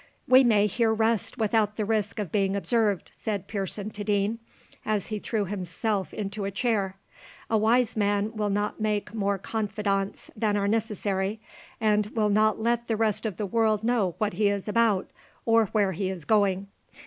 "We may here rest without the risk of being observed," said Pearson to Deane, as he threw himself into a chair. "A wise man will not make more confidants than are necessary, and will not let the rest of the world know what he is about or where he is going.